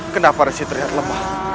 kenapa resi terlihat lemah